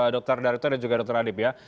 dr darto dan juga dr adib ya